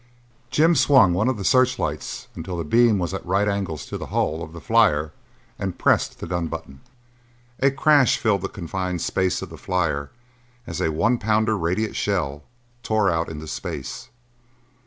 Jim swung one of the searchlights until the beam was at right angles to the hull of the flyer and pressed the gun button. A crash filled the confined space of the flyer as a one pounder radite shell tore out into space.